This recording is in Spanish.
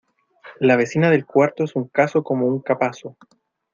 La vecina del cuarto es un caso como un capazo.